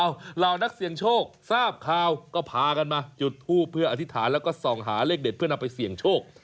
เหล่านักเสี่ยงโชคทราบข่าวก็พากันมาจุดทูปเพื่ออธิษฐานแล้วก็ส่องหาเลขเด็ดเพื่อนำไปเสี่ยงโชค